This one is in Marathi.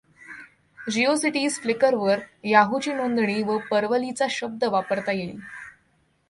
जीओसिटीज फ्लिकरवर याहूची नोंदणी व परवलीचा शब्द वापरता येईल.